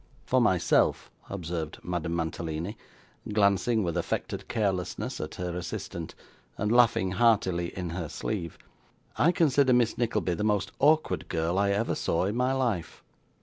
Ha, ha, ha!' 'For myself,' observed Madame Mantalini, glancing with affected carelessness at her assistant, and laughing heartily in her sleeve, 'I consider Miss Nickleby the most awkward girl I ever saw in my life.